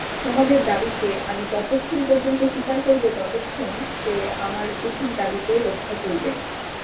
সমাজের দাবিকে আমি ততক্ষণ পর্যন্ত স্বীকার করব যতক্ষণ সে আমার উচিত দাবিকে রক্ষা করবে।